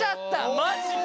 マジか。